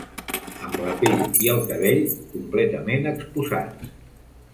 Amb la pell i el cabell completament exposats